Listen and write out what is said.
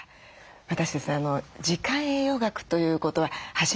私ですね時間栄養学ということは初めてすいません